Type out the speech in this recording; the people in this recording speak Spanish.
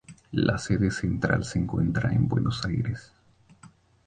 La sede central se encuentra en Buenos Aires.